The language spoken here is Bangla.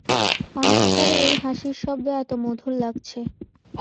অন্ধকারে এই হাসির শব্দ এত মধুর লাগছে!